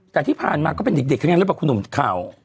แต่ที่ผ่านมาก็เป็นเด็กแล้วป่ะคุณหนุ่มข่าว